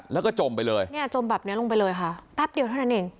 แล้วก็จมไปเลยเนี่ยจมแบบนี้ลงไปเลยค่ะแป๊บเดียวเท่านั้นเอง